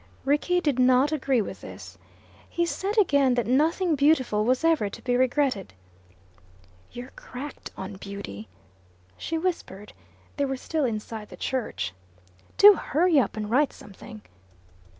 Rickie did not agree with this. He said again that nothing beautiful was ever to be regretted. "You're cracked on beauty," she whispered they were still inside the church. "Do hurry up and write something."